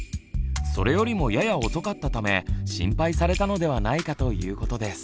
それよりもやや遅かったため心配されたのではないかということです。